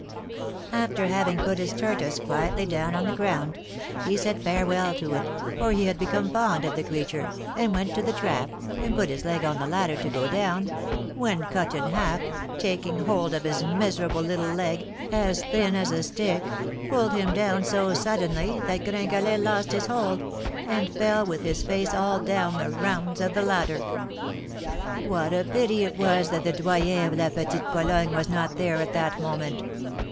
After having put his tortoise quietly down on the ground, he said farewell to it, for he had become fond of the creature, and went to the trap, and put his leg on the ladder to go down, when Cut in Half, taking hold of his miserable little leg, as thin as a stick, pulled him down so suddenly that Gringalet lost his hold, and fell with his face all down the rounds of the ladder." "What a pity it was that the Doyen of La Petite Pologne was not there at that moment!